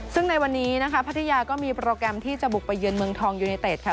ซึ่งในวันนี้นะคะพัทยาก็มีโปรแกรมที่จะบุกไปเยือนเมืองทองยูเนเต็ดค่ะ